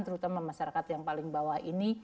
terutama masyarakat yang paling bawah ini